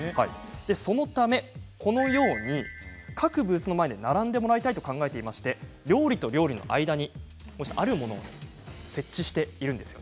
そのため、各ブースの前で並んでもらいたいと考えていて料理と料理の間にあるものを設置しているんです。